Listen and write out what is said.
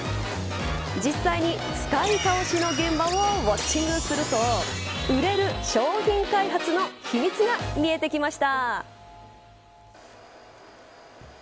実際に使い倒しの現場をウオッチングすると売れる商品開発の秘密が見えてきました。